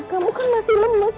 kamu kan masih lemas